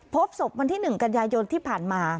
พบศพวันที่๑กันยายนที่ผ่านมา